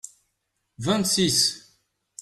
vingt six.